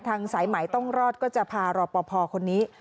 ทางสายหมายต้องรอดก็จะพารอบประพอคนนี้